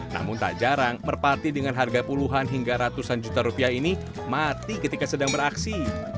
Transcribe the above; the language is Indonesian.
namun tak jarang merpati dengan harga puluhan hingga ratusan juta rupiah ini mati ketika sedang beraksi